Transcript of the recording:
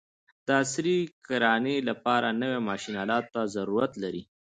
د عصري کرانې لپاره نوي ماشین الاتو ته ضرورت لري.